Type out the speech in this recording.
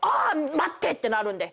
待って！ってなるんで。